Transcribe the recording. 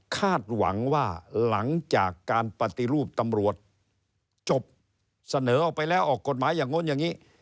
คาดหวังว่าหลังจากการปฏิรูปตำรวจจบเสนอออกไปแล้วออกกฎหมายอย่างโน้นอย่างนี้